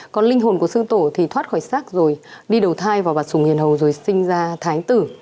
còn linh hồn của sư tổ thì thoát khỏi sắc rồi đi đầu thai vào bạc sùng hiền hầu rồi sinh ra thái tử